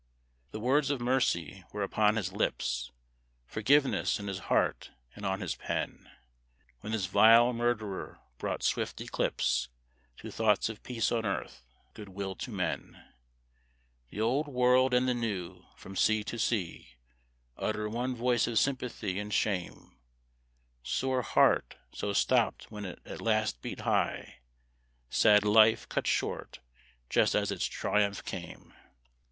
The words of mercy were upon his lips, Forgiveness in his heart and on his pen, When this vile murderer brought swift eclipse To thoughts of peace on earth, good will to men. The Old World and the New, from sea to sea, Utter one voice of sympathy and shame. Sore heart, so stopped when it at last beat high! Sad life, cut short just as its triumph came!